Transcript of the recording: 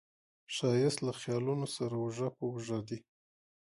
ښایست له خیالونو سره اوږه په اوږه دی